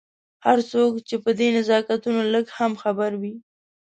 هر څوک چې په دې نزاکتونو لږ هم خبر وي.